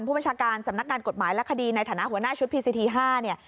ผู้บัญชาการสำนักงานกฎหมายและคดีในฐานะหัวหน้าชุดพีซีที๕เนี่ย